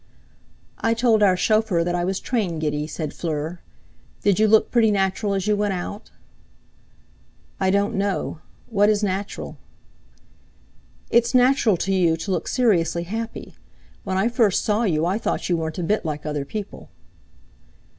"I told our chauffeur that I was train giddy," said Fleur. "Did you look pretty natural as you went out?" "I don't know. What is natural?" "It's natural to you to look seriously happy. When I first saw you I thought you weren't a bit like other people."